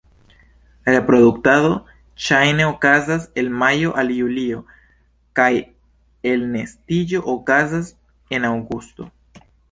Reproduktado ŝajne okazas el majo al julio, kaj elnestiĝo okazas en aŭgusto.